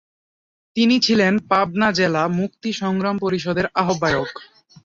তিনি ছিলেন পাবনা জেলা মুক্তি সংগ্রাম পরিষদের আহবায়ক।